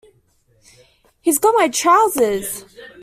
He's got my trousers!